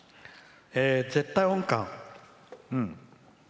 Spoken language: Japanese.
絶対音感うん。